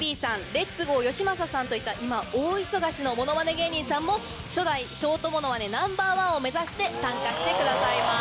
レッツゴーよしまささんといった今大忙しのものまね芸人さんも初代ショートものまねＮｏ．１を目指して参加してくださいます。